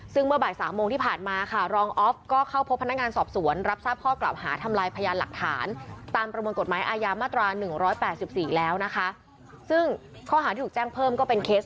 ซึ่งข้อหาที่ถูกแจ้งเพิ่มก็เป็นเคส